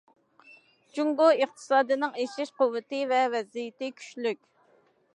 جۇڭگو ئىقتىسادىنىڭ ئېشىش قۇۋۋىتى ۋە ۋەزىيىتى كۈچلۈك.